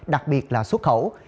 đặc biệt là xuất khẩu